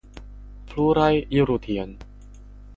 Pluraj iru tien.